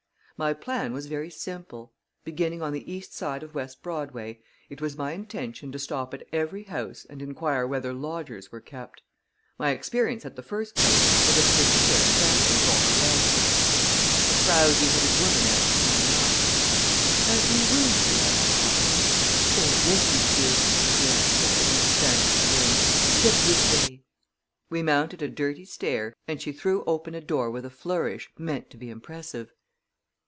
My plan was very simple. Beginning on the east side of West Broadway, it was my intention to stop at every house and inquire whether lodgers were kept. My experience at the first place was a pretty fair sample of all the rest. A frowsy headed woman answered my knock. "You have rooms to let?" I asked. "Oh, yes, monsieur," she answered, with an expansive grin. "Step zis vay." We mounted a dirty stair, and she threw open a door with a flourish meant to be impressive.